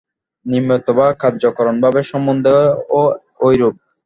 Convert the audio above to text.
নিমিত্ত বা কার্যকারণভাব সম্বন্ধেও এইরূপ।